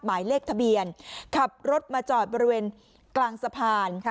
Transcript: หมายเลขทะเบียนขับรถมาจอดบริเวณกลางสะพาน